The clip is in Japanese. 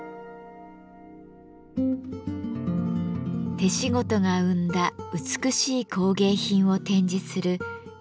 手仕事が生んだ美しい工芸品を展示する日本民藝館。